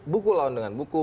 buku lawan dengan buku